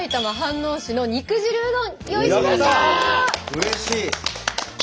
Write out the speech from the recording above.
うれしい！